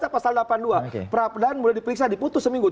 prosesnya sudah selesai